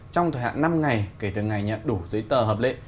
trong thời hạn năm ngày kể từ ngày nhận đủ giấy tờ hợp lệ